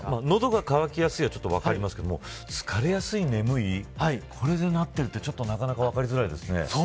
喉が渇きやすいは分かりますけど疲れやすい、眠いこれでなってるって分かりづらいですね。